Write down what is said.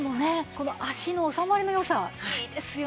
この足の収まりの良さいいですよね。